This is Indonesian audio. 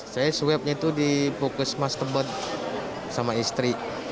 saya swabnya itu di fokus masterboard sama istri